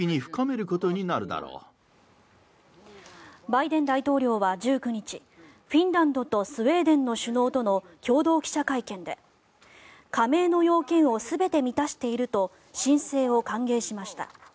バイデン大統領は１９日フィンランドとスウェーデンの首脳との共同記者会見で加盟の要件を全て満たしていると申請を歓迎しました。